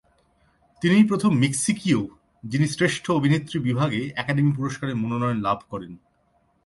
তিনিই প্রথম মেক্সিকীয় যিনি শ্রেষ্ঠ অভিনেত্রী বিভাগে একাডেমি পুরস্কারের মনোনয়ন লাভ করেন।